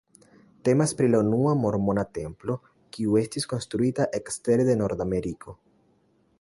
Temas pri la unua mormona templo, kiu estis konstruita ekstere de Nordameriko.